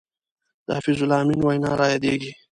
د حفیظ الله امین وینا را یادېږي.